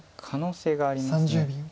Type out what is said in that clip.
可能性があります。